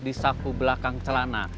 di saku belakang celana